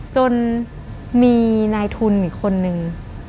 จนมีนายทุนอีกคนนึง